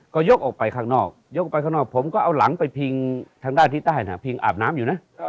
ก็ยกออกไปข้างนอกผมก็เอาหลังไปพิงทางด้านที่ใต้พิงอาบน้ำอยู่นะ